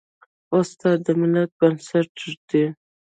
استاد د ملت بنسټ ږدي.